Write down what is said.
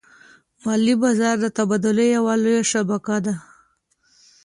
مالي بازار د تبادلې یوه لویه شبکه ده.